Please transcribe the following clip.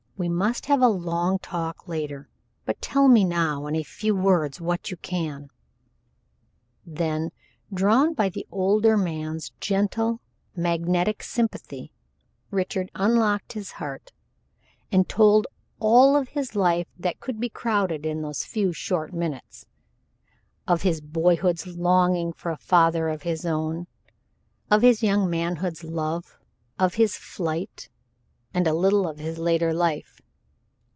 We must have a long talk later but tell me now in a few words what you can." Then, drawn by the older man's gentle, magnetic sympathy, Richard unlocked his heart and told all of his life that could be crowded in those few short minutes, of his boyhood's longings for a father of his own of his young manhood's love, of his flight, and a little of his later life.